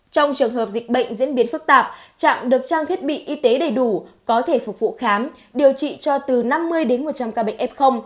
trong trường hợp dịch bệnh diễn biến phức tạp trạm được trang thiết bị y tế đầy đủ có thể phục vụ khám điều trị cho từ năm mươi đến một trăm linh ca bệnh f